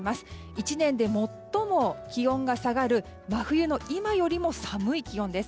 １年で最も気温が下がる真冬の今よりも寒い気温です。